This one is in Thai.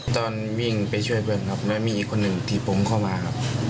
ตอนวิ่งไปช่วยเพื่อนครับแล้วมีอีกคนหนึ่งที่ผมเข้ามาครับ